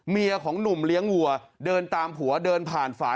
ของหนุ่มเลี้ยงวัวเดินตามผัวเดินผ่านฝา